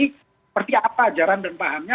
seperti apa ajaran dan pahamnya